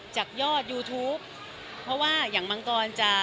จากยอดยูทูปเพราะว่าอย่างมังกรจะ